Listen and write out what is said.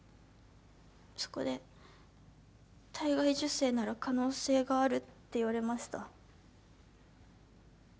そこで体外受精なら可能性があるって言われました。